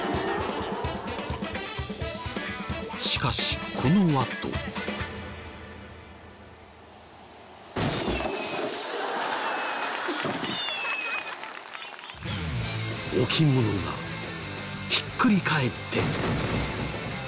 しかしこのあと。「」置物がひっくり返って。